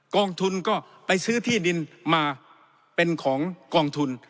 กองทุนก็ไปซื้อที่ดินมาเป็นของกองทุน